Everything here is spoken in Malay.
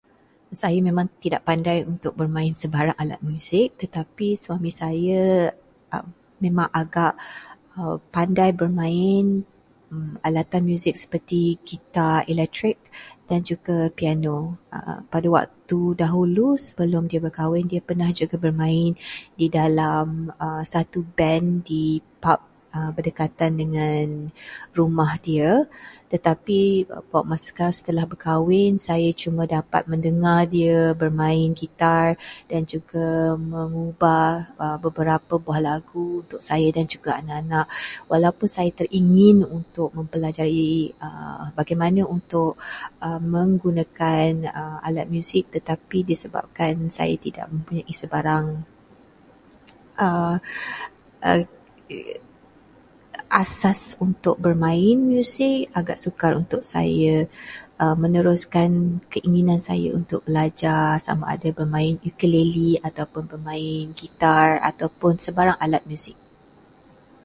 Saya memang tidak pandai untuk bermain sebarang alat muzik, tetapi suami saya memang agak pandai bermain alatan muzik, seperti gitar elektrik dan juga piano. Pada waktu dahulu, sebelum dia berkahwin dia pernah juga bermain di dalam satu band di pub berdekatan dengan rumah dia. Tetapi buat masa sekarang, setelah berkahwin, saya cuma dapat mendengar dia bermain gitar dan juga mengubah beberapa buah lagu untuk saya dan juga anak-anak. Walaupun saya teringin untuk mempelajari bagaimana untuk menggunakan alat muzik tetapi disebabkan saya tidak mempunyai sebarang asas untuk bermain, agak sukar untuk saya meneruskan keinginan saya untuk belajar sama ada bermain ukulele ataupun bermain gitar ataupun sebarang alat muzik.